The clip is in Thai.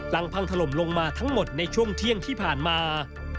พังถล่มลงมาทั้งหมดในช่วงเที่ยงที่ผ่านมา